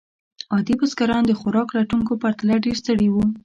عادي بزګران د خوراک لټونکو پرتله ډېر ستړي وو.